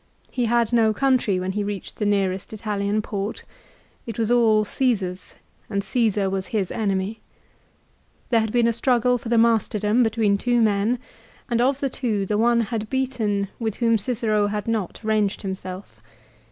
He had no country when he reached the nearest Italian port. It was all Caesar's, and Caesar was his enemy. There had been a struggle for the masterdom between two men, and of the two the one had beaten with whom Cicero had not ranged him self.